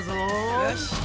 よし！